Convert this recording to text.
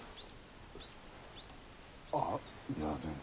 あっいやでも。